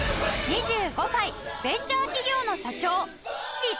２５歳ベンチャー企業の社長須知高匡さん